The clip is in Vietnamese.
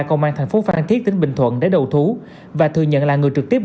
công an thành phố phan thiết tỉnh bình thuận để đầu thú và thừa nhận là người trực tiếp